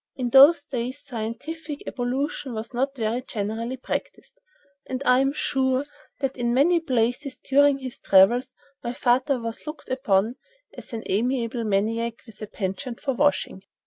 In those days scientific ablution was not very generally practised, and I am sure that in many places during his travels my father was looked upon as an amiable maniac with a penchant for washing.